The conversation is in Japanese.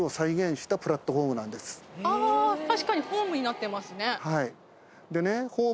あ確かにホームになってますね。